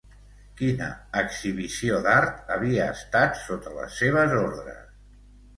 Quina exhibició d'art havia estat sota les seves ordres?